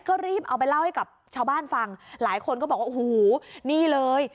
ก็รีบเอาไปเล่าให้กับชาวบ้านฟังหลายคนก็บอกว่าโอ้โหนี่เลย